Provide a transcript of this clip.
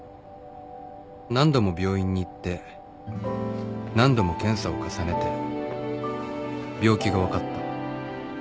何度も病院に行って何度も検査を重ねて病気が分かった